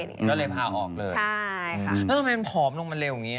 ก็เลยพาออกเลยใช่ค่ะแล้วทำไมมันผอมลงมาเร็วอย่างนี้